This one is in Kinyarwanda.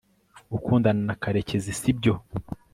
ukundana na karekezi, sibyo